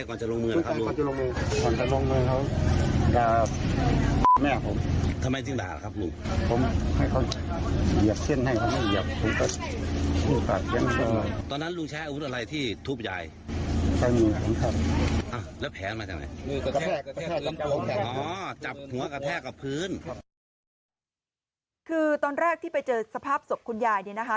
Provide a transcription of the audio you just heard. คือตอนแรกที่ไปเจอสภาพศพคุณยายเนี่ยนะคะ